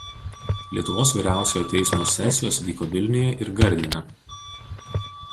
Lietuvos Vyriausiojo Teismo sesijos vyko Vilniuje ir Gardine.